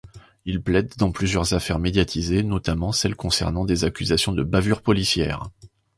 Il plaide dans plusieurs affaires médiatisées, notamment celles concernant des accusations de bavures policières.